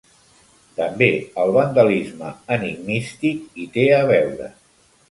També el vandalisme enigmístic hi té a veure.